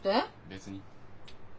別に。